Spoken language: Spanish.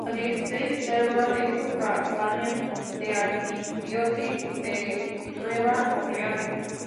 La Diócesis de Shreveport es sufragánea de la Arquidiócesis de Nueva Orleans.